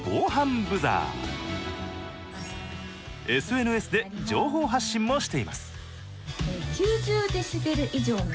ＳＮＳで情報発信もしています。